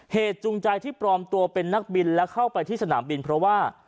จูงใจที่ปลอมตัวเป็นนักบินและเข้าไปที่สนามบินเพราะว่า